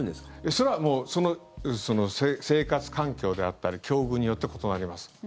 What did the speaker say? それは生活環境であったり境遇によって異なります。